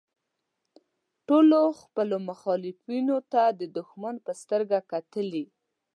ټولو خپلو مخالفینو ته د دوښمن په سترګه کتلي.